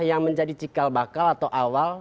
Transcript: yang menjadi cikal bakal atau awal